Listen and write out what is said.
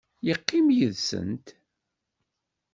Yeqqim yid-sent.